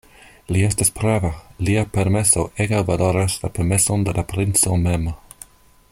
Li estas prava; lia permeso egalvaloras la permeson de la princo mem.